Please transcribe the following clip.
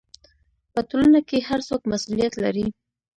په ټولنه کې هر څوک مسؤلیت لري.